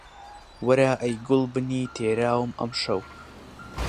وەرە ئەی گوڵبنی تێراوم ئەمشەو